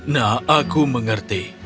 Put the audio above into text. nah aku mengerti